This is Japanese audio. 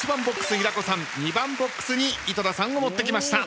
平子さん２番ボックスに井戸田さんを持ってきました。